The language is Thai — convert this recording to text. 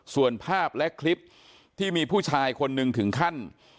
ส่วนภาพและคลิปที่มีผู้ชายคนหนึ่งถึงขั้น